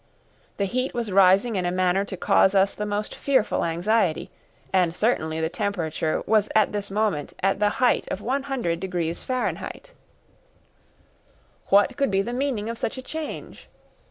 The heat was increasing in a manner to cause us the most fearful anxiety, and certainly the temperature was at this moment at the height of 100° Fahr. What could be the meaning of such a change?